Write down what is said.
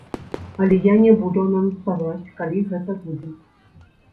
Але я не буду анансаваць, калі гэта будзе.